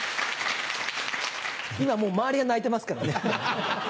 今もう周りが泣いてますからね。